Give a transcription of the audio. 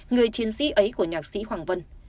người chiến sĩ ấy của nhạc sĩ hoàng vân